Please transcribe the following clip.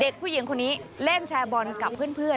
ผู้หญิงคนนี้เล่นแชร์บอลกับเพื่อน